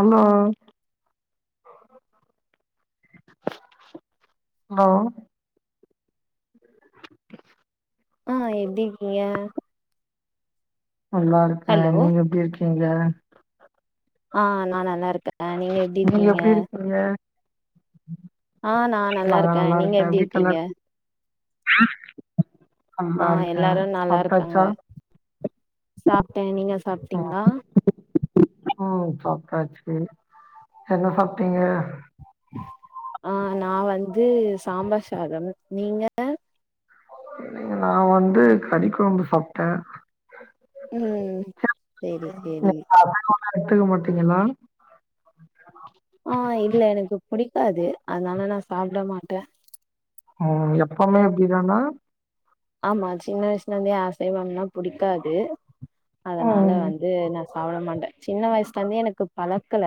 ஆமா ஹலோ ஆ எப்டி இருக்கீங்க நல்லா இருக்கே ஹலோ நீங்க எப்டி இருக்கீங்க ஆ நா நல்லா இருக்கே நீங்க எப்டி இருக்கீங்க இங்க ஆ நா நல்லா இருக்கே நீங்க எப்டி இருக்கீங்க ஆ நல்லா இருக்கே எல்லாரு நல்லா இருக்காங்க சாப்டாச்சா சாப்ட்டே நீங்க சாப்ட்டீங்களா ம் சாப்ட்டாச்சி என்ன சாப்ட்டீங்க ஆ நா வந்து சாம்பார் சாதம் நீங்க இல்லிங்க நா வந்து கறிகொழம்பு சாப்ட்டே ம் சேரி சேரி நீங்க அசைவம்லா எடுத்துக்க மாட்டீங்கன்னா ஆ இல்ல எனக்கு புடிக்காது அதுனால நா சாப்ட மாட்டே ம் எப்பமே இப்டிதானா ஆமா சின்ன வயசுல இருந்தே அசைவம்னா புடிக்காது அதனால ம் வந் து நா சாப்ட மாட்டே சின்ன வயசுல இருந்தே எனக்கு பழக்கல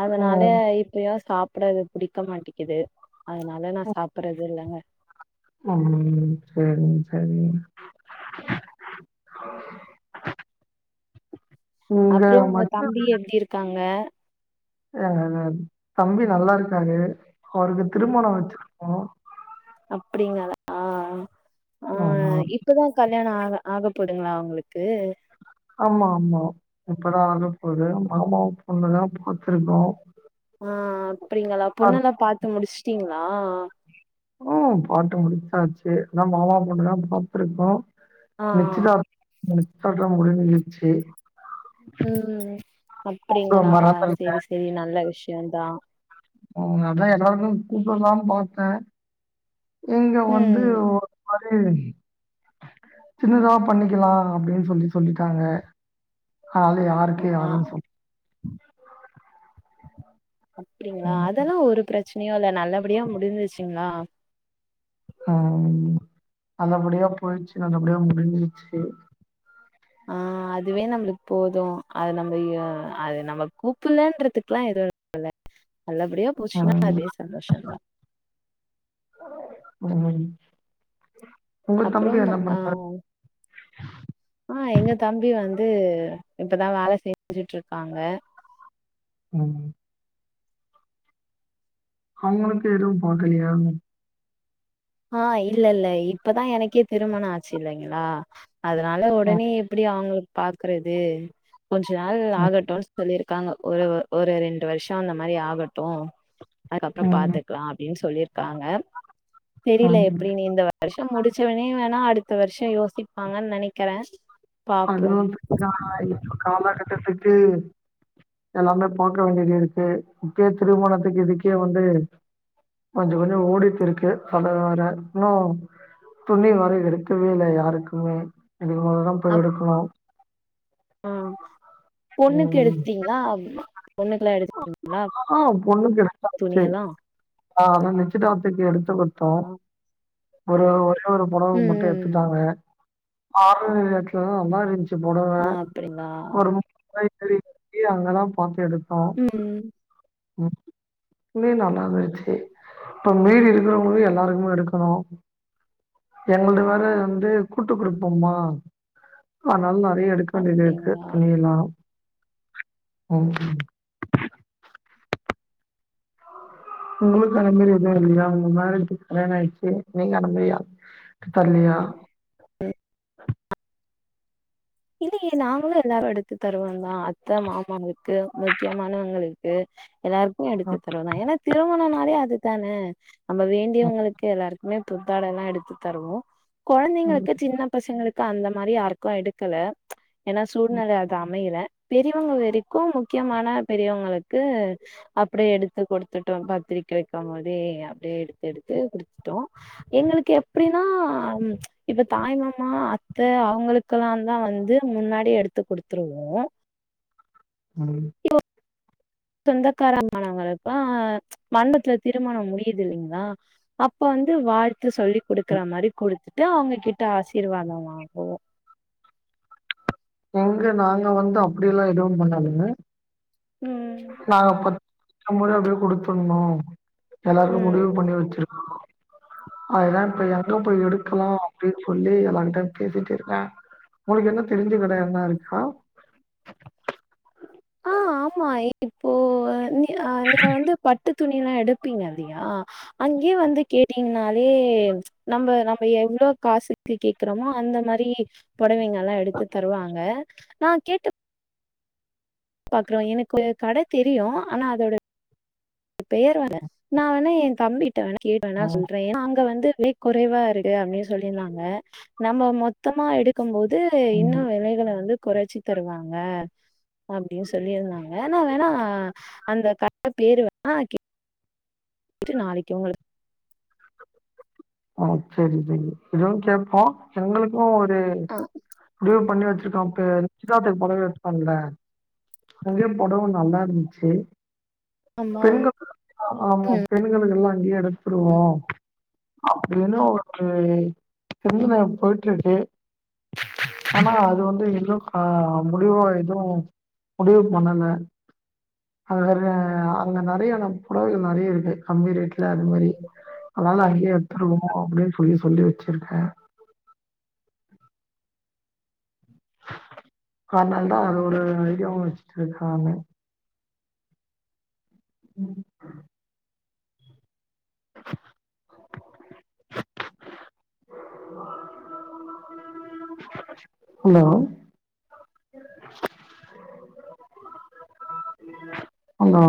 அதனால ம் இப்பயு சாப்ட்றது புடிக்க மாட்டேக்கிது அதனால நா சாப்ட்றது இல்லங்க ம் சேரிங்க சேரிங்க இங்க அப்பறோ உங்க மச்ச தம்பி எப்டி இருக்காங்க ஆ தம்பி நல்லா இருக்காரு அவருக்கு ம். திருமணோ வச்சிருக்கோ அப்டிங்களா ஆ ஆமா இப்பதா கல்யாணோ ஆக ஆக போதுங்களா அவங்களுக்கு ஆமா ஆமா இப்பதா ஆகப்போது மாமா பொண்ணுதா பாத்துருக்கோ ஆ அப்டிங்களா பொண்ணு அத் எல்லா பாத்து முடிச்ட்டீங்களா ம் பாத்து முடிச்சாச்சி என்ன மாமா பொண்ணு தா பாத்துருக்கோ ஆ. நிச்யதாத் நிச்சியதார்தலா முடிஞ்சிரிச்சி ம் கூப்ட அப்டிங்களா மறந்துருக்கே. சேரி சேரி நல்ல விஷ்யோந்தா ம் அதா எல்லாருக்கு கூப்டல்லான்னு பாத்தே இங்க வந்து ம். ஒரு மாரி சின்னதா பண்ணிக்கலா அப்டின்னு சொல்லி சொல்லிட்டாங்க அதனால யார் ஆ ஓகே யாருன் சொல் அப்டிங்களா அதெல்லா ஒரு பிரச்சனையு இல்ல நல்லபடியா முடிஞ்சிச்சுங்களா ம் நல்லபடியா பொயிட்ச்சு நல்லபடியா முடிஞ்ச்சி ஆ அதுவே நம்ளுக்கு போது அது நம்ம அது நம்ம கூப்லன்றதுக்லா எது‌ [inaudible] நல்லபடியா போச்சுனா ம் அதே சந்தோஷோ தா ம் ஒங்க அப்புறம் தம்பி என்னா ஆ பண்றார் ஆ எங்க தம்பி வந்து இப்பதா வேல செஞ்சிட்ருக்காங்க ம் அவுங்ளுக்கு எதுவு பாக்கலையா ஆ இல்லல்ல இப்பதா எனக்கே திருமண ஆச்சு இல்லைங்களா அதனால ஒடனே எப்டி அவுங்ளுக்கு பாக்றது கொஞ்ச நாள் ம், ஆகட்டுன் சொல்லிருக்காங்க ஒரு ஒரு ரெண்டு வருஷோ அந்த மாரி ஆகட்டு அதுக்கப்றோ ம், பாத்துக்லா அப்டின் சொல்லிருக்காங்க தெரில ம். எப்டின்னு இந்த வருஷோ முடிச்சவனே வேணா அடுத்த வருஷோ யோசிப்பாங்கன்னு நெனைக்றே அதுவு [inaudible] இப்ப காலகட்டத்துக்கு எல்லாமே பாக்க வேண்டியது இருக்கு முக்கிய திருமணத்துக்கு இதுக்கே வந்து கொஞ்சோ கொஞ்சோ ஓடிட்ருக்கு அத வர இன்னு துணி வேர எடுக்கவே இல்ல யாருக்குமே இதுக்குமேலதா போய் அப் எடுக்னு ஆ பொண்ணுக்கு ம். எடுத்டீங்களா பொண்ணுக்குலா எடுத் ஆ பொண்ணுக்கு எடுத்தாச்சி துணியெல்லா அத நிச்சியதார்த்துக்கு எடுத்து குடு தோ ம் ஒரே ஒரே ஒரு பொடவ ம் மட்டு ம். எடுத்துடாங்க ஆரஞ்சு திராட்ச மா மாரி இருந்துச்சு பொடவ ஆ அப்டிங்களா ஒரு [inaudible] சரி அங்கெல்லா பாத்து எடுப்பா ம் ம் நீ நல்லாருந்தச்சி இப்ப மீதி இருக்குறவங்களுக்கு எல்லாருக்குமே எடுக்கனு எங்களது வேற வந்து கூட்டு குடுப்போமா அதனால நெறையா எடுத் கொஞ்ச பேருக்கு அப்டிங்களா துணியெலா ம் ஒங்ளுக்கு அந்த மாரி எதுவு இல்லையா ஒங்க மேரேஜுக்கு கல்யண ஆயிட்ச்சி நீங்க [unintelligible] தனியா இல்லையே நாங்களு எல்லா எடத்து தருவோ தா அத்த மாமாவுக்கு முக்கியமானவங்களுக்கு எல்லாருக்கு எடுத்து தருவோ தா ஏனா திருமணனாலே அதுதானே நம்ம வேண்டியவங்களுக்கு எல்லார்கு மே புத்தாடலா எடுத்து தருவோ கொழந்தைங்களுக்கு சின்ன பசங்களுக்கு அந்த மாரி யாருக்கு எடு க்கல ஏனா சூழ்நெல அது அமையல பெரியவங்க வரைக்கு முக்கியமான பெரியவங்களுக்கு அப்டியே எடுத்து குடுத்துட்டோ பத்திரிக்க வெக்கம்போதே அப்டியே எடுத்து எடுத்து குடுத்துட்டோ எங்களுக்கு எப்டின்னா இப்ப தாய்மாமா அத்த அவுங்ளுக் கலா தா வந்து முன்னாடியே எடுத்து குடுத்துருவோ ம் சொந்தக்காரமானவங்களுக்கா மண்டத்துல திருமணம் முடியுது இல்லைங்களா அப்ப வந்து வாழ்த்து சொல்லி குடுக்ற மாரி குடுத்துட்டு அவங்ககிட்ட ஆசீர்வாத வாங்குவோ எங்க நாங்க வந்து அப்டிலா எதுவு பண்ணறது இல்ல ம் நாங்க பத் சம்பத அப்பயே குடுத்துர்ணு எல்லாருக்கு முடிவு ம் பண்ணி வச்சிருக்கோ அது தா எங்க போய் எடுக்லா அப்டின் சொல்லி எல்லான்ட்ட பேசிட்ருக்கே ஒங்களுக்கு எதனா தெரிஞ்ச கட வேற மாரி இருக்கா ஆ ஆமா இப்போ நீ் நீங்க வந்து பட்டு துணில்லா எடுப்பீங்கல்லையா அங்கே வந்து கேட்டீங்கனாலே நம்ம நம்ம எவ்வளோ காசுக்கு கேக்குறோமோ அந்த மாரி புடவைங்க எல்லா எடுத்து தருவாங்க நா கேட்டு பாக்குறோ எனக்கு கடை தெரியு ஆனா அதோட பேர் வர்ல நா வேணா எ தம்பிட்ட வேணா கேட்டுவேணா ம் சொல்றே ஏனா அங்க வந்து வே குறைவா இருக்கு அப்படின்னு சொல்லியிருந்தாங்க நம்ம மொத் த்தமா எடுக்கும் போது ம் இன்னு விலைகள வந்து குறைச்சி தருவாங்க அப்டின்னு சொல்லிருந்தாங்க நா வேணா அந்த கட பேரு வேணா நா கே ட்டு நாளைக்கு உங்களுக் [inaudible] ஆ செரி செரி இதுவு கேப்போ எங்களுக்கு ஒரு ஆ [unintelligible] பண்ணி வச்சிருக்கான் இப்ப நிச்சதாத்துக்கு புடவ எடுத்தம்ல அங்கே பொடவ நல்லா இருந்துச்சு ஆமாம் பெண்கள் ஆமா ம் பெண்களுக்கல்லா அங்கே எடுத்துருவோ அப்டின்னு ஒரு சிந்தன போயிட்டு இருக்கு ஆனா அது வந்து இன்னு முடிவா எது முடிவு பண்ணல அ அங்க நிறையான புடவைகள் நறைய இருக்கு கம்மி ரேட்ல அது மாரி அதனால அங்கே எடுத்துருவோ அப்டின்னு சொல்லி சொல்லி வச்சிருக்கே கனால தா அது ஒரு ஐடியாவு வச்சுட்டு இருக்க்கே நானு ம் [inaudible] ஆ ஹலோ ஹலோ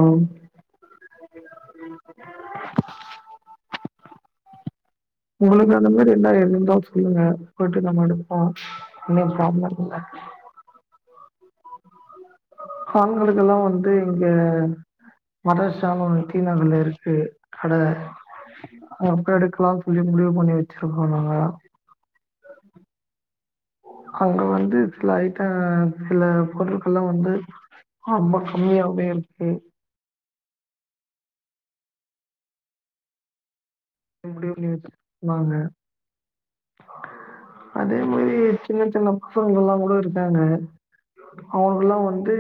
உங்களுக்கு அந்த மாரி என்ன இருந்தா சொல்லுங்க போய்ட்டு நம்ம எடுப்போ இல்ல ப்ராப்ளம் இல்ல ஆண்களுக்கெல்லா வந்து இங்க மதஸானு ஒன்னு டிநகர்ல இருக்கு கடை அத அப்பற எடுக்கலான்னு சொல்லி முடிவு பண்ணி வச்சிருக்கோ நாங்க அங்க வந்து சில ஐட்ட சில பொருட்கள்லா வந்து ரொம்ப கம்மியாவே இருக்கு அப்டி ஒரு நியூஸ் சொன்னாங்க அதே மாரி சின்ன சின்ன பசங்க எல்லாங் கூட இருக்காங்க அவுங்களுக்குல்லா வந்து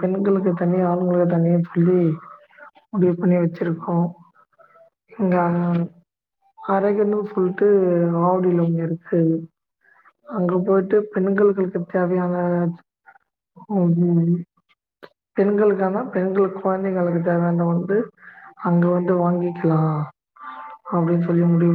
பெண்களுக்கு தனி ஆண்களுக்கு தனின் சொல்லி முடிவு பண்ணி வச்சிருக்கோ எங்க அண்ண அரகன்னு சொல்ட்டு ஆவடில ஒன்னு இருக்கு அங்க போயிட்டு பெண்களுக்கு தேவையான [unintelligible] பெண்களுக்கான பெண்கள் கொழந்தைங்களுக்கு தேவையான வந்து அங்க வந்து வாங்கிக்கலா அப்டின் சொல்லி முடிவு